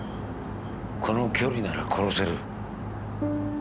この距離なら殺せる。